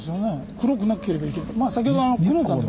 黒くなければいけない。